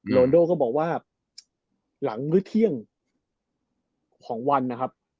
โลนโดก็บอกว่าหลังหรือเที่ยงของวันนะครับ